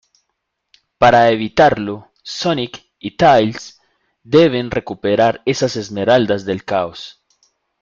Para evitarlo, Sonic y Tails deben recuperar esas Esmeraldas del Caos.